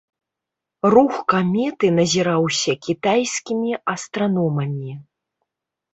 Рух каметы назіраўся кітайскімі астраномамі.